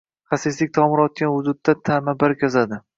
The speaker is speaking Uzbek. Xasislik tomir otgan vujudda tama barg yozadi.